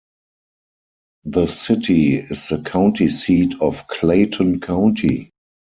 The city is the county seat of Clayton County.